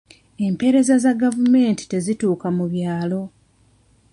Empeereza za gavumenti tezituuka mu byalo.